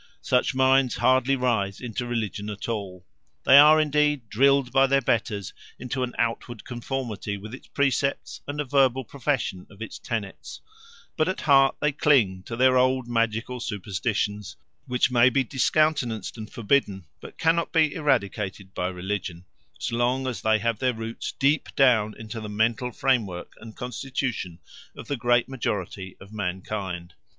Such minds hardly rise into religion at all. They are, indeed, drilled by their betters into an outward conformity with its precepts and a verbal profession of its tenets; but at heart they cling to their old magical superstitions, which may be discountenanced and forbidden, but cannot be eradicated by religion, so long as they have their roots deep down in the mental framework and constitution of the great majority of mankind.